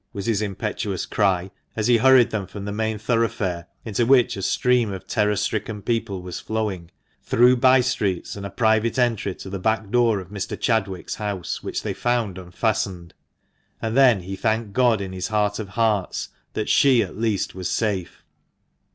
was his impetuous cry, as he hurried them from the main thoroughfare (into which a stream of terror stricken people was flowing), through by streets, and a private entry to the back door of Mr. Chadwick's house, which they found unfastened ; and then he thanked God in his heart of hearts that she at least was safe.